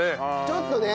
ちょっとね。